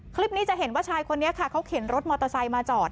คลิปนี้จะเห็นว่าชายคนนี้ค่ะเขาเข็นรถมอเตอร์ไซค์มาจอด